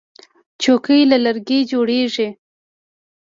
چوکۍ له لرګي جوړیږي.